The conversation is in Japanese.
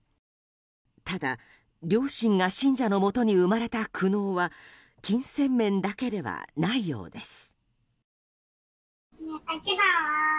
ただ、両親が信者のもとに生まれた苦悩は金銭面だけではないようです。